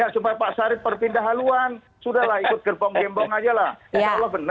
supaya pak sarif berpindah haluan sudah lah ikut gerbong gembong saja lah